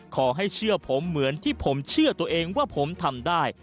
ขอให้เชื่อผมเหมือนที่ผมเชื่อตัวเองว่าผมทำได้